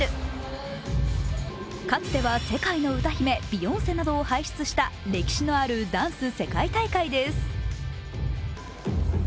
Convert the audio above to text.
かつては世界の歌姫ビヨンセなどを輩出した歴史のあるダンス世界大会です。